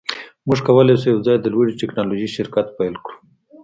موږ کولی شو یوځای د لوړې ټیکنالوژۍ شرکت پیل کړو